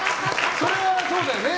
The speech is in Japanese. それはそうだよね。